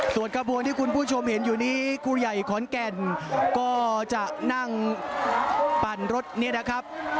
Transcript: ส่วนกระบวนที่คุณผู้ชมเห็นอยู่นี้ครูใหญ่ขอนแก่นก็จะนั่งปั่นรถเนี่ยนะครับ